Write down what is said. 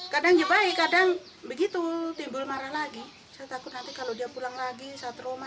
kadang kadang begitu timbul marah lagi takut kalau dia pulang lagi satu rumah